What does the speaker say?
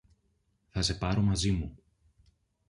Θα σε πάρω μαζί μου.